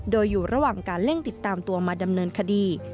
โดยอยู่ระหว่างการเร่งติดตามตัวมาดำเนินคดี